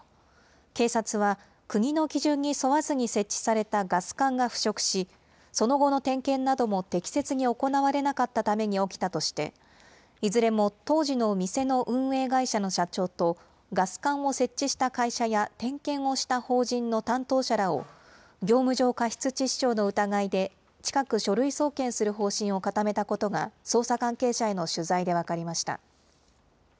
警察は、国の基準に沿わずに設置されたガス管が腐食し、その後の点検なども適切に行われなかったために起きたとして、いずれも当時の店の運営会社の社長と、ガス管を設置した会社や、点検をした法人の担当者らを、業務上過失致死傷の疑いで、近く書類送検する方針を固めたことが、捜査関係者への取材で分かりました。